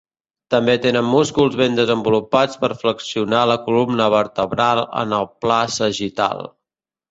També tenen músculs ben desenvolupats per flexionar la columna vertebral en el pla sagital.